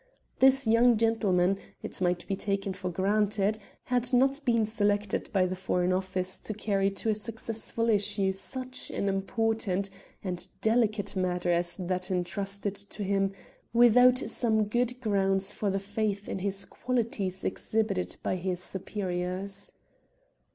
This young gentleman, it might be taken for granted, had not been selected by the Foreign Office to carry to a successful issue such an important and delicate matter as that entrusted to him, without some good grounds for the faith in his qualities exhibited by his superiors.